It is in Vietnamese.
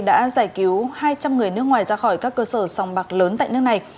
đã giải cứu hai trăm linh người nước ngoài ra khỏi các cơ sở sòng bạc lớn tại nước này